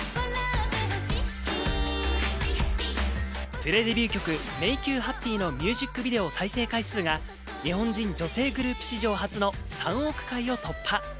プレデビュー曲『Ｍａｋｅｙｏｕｈａｐｐｙ』のミュージックビデオ再生回数が日本人女性グループ史上初の３億回を突破。